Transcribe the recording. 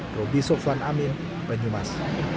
prodi sofwan amin banyumas